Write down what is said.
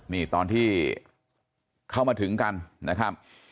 นี่ตอนที่เข้ามาถึงกันนะครับ